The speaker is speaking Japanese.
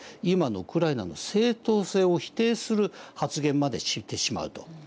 今のウクライナの正当性を否定する発言までしてしまうと。